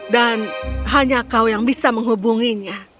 dan hanya kau yang bisa menghubunginya